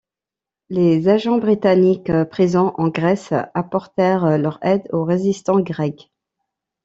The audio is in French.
Les agents britanniques présents en Grèce apportèrent leur aide aux résistants grecs.